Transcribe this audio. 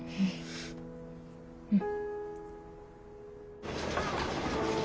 うん。